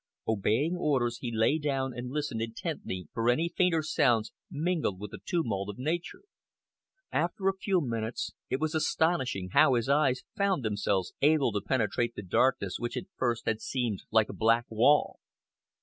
Obeying orders, he lay down and listened intently for any fainter sounds mingled with the tumult of nature. After a few minutes, it was astonishing how his eyes found themselves able to penetrate the darkness which at first had seemed like a black wall.